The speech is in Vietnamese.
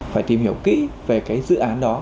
phải tìm hiểu kỹ về cái dự án đó